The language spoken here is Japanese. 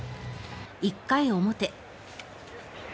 １回表。